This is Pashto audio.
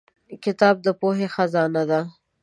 کتاب د پوهې خزانه ده.